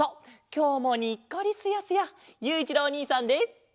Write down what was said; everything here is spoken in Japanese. きょうもにっこりスヤスヤゆういちろうおにいさんです！